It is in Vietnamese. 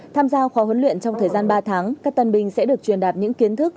tham gia khóa huấn luyện trong thời gian ba tháng các tân binh sẽ được truyền đạt những kiến thức